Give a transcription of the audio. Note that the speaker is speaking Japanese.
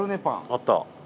あった。